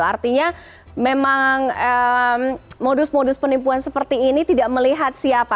artinya memang modus modus penipuan seperti ini tidak melihat siapa